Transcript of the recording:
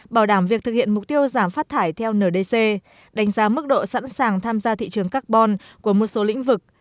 bảo đảm việc thực hiện mục tiêu giảm phát thải theo ndc đánh giá mức độ sẵn sàng tham gia thị trường carbon của một số lĩnh vực